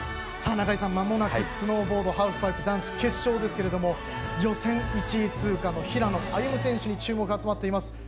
中井さん、まもなくスノーボード・ハーフパイプ男子決勝ですけども予選１位通過の平野歩夢選手に注目が集まっています。